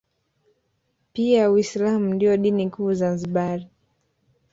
Pia uislamu ndio dini kuu Zanzibari